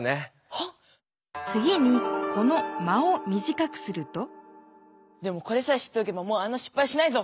はっ⁉つぎにこの「間」をみじかくするとでもこれさえ知っておけばもうあんなしっぱいしないぞ！